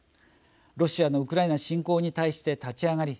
ロシアのウクライナ侵攻に対して立ち上がり